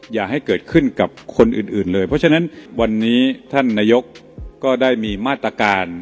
อย่าให้เกิดขึ้นกับคนอื่นเลยเพราะฉะนั้นวันนี้ท่านนายกก็ได้มีมาตรการ